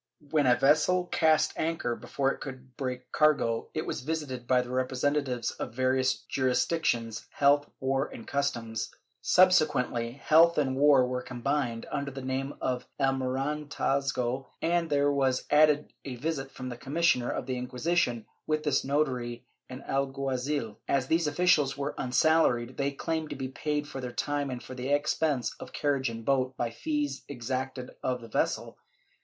When a vessel cast anchor, before it could break cargo, it was visited by the representatives of various jurisdictions — health, war and customs. Subsequently health and war were combined, under the name of almirantazgo and there was added a visit from the commissioner of the Inquisition, with his notary and alguazil. As these officials were unsalaried, they claimed to be paid for their time and for the expense of a carriage and boat, by fees exacted of the vessel.